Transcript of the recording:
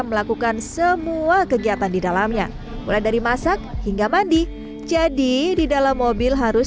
melakukan semua kegiatan di dalamnya mulai dari masak hingga mandi jadi di dalam mobil harus